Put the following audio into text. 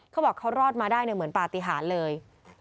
เขาบอกเขารอดมาได้เหมือนปฏิหารเลย